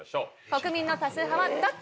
国民の多数派はどっち？